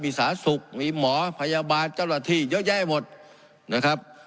สาธารณสุขมีหมอพยาบาลเจ้าหน้าที่เยอะแยะหมดนะครับ